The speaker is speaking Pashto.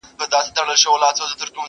ورکوله یې له ښاره زموږ تخمونه.